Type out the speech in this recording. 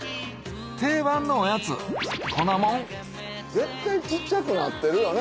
定番のおやつ粉もん絶対小っちゃくなってるよね